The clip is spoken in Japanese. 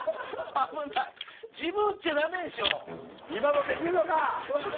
今のできるのか？